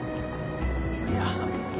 いや。